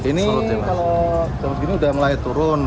ini kalau begini udah mulai turun